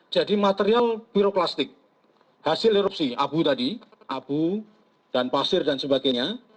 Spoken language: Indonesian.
jadi material biroklastik hasil erupsi abu tadi abu dan pasir dan sebagainya